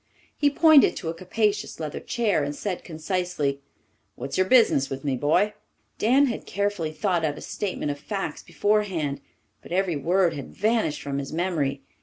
He pointed to a capacious leather chair and said concisely, "What is your business with me, boy?" Dan had carefully thought out a statement of facts beforehand, but every word had vanished from his memory.